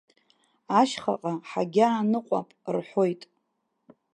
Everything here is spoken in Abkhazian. Ашьхаҟа ҳагьааныҟәап рҳәоит.